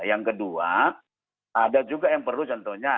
yang kedua ada juga yang perlu contohnya